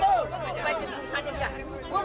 bunuh saja dia harimau ini